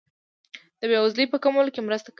د بیوزلۍ په کمولو کې مرسته کوي.